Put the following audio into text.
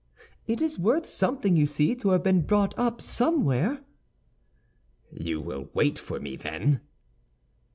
"It is worth something, you see, to have been brought up somewhere." "You will wait for me, then?"